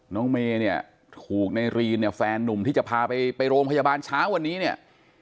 น้องเมย์เนี่ยถูกในรีนเนี่ยแฟนนุ่มที่จะพาไปไปโรงพยาบาลเช้าวันนี้เนี่ย